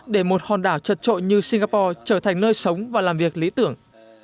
để một hòn đảo chật trội như singapore trở thành nơi sống và làm việc lý tưởng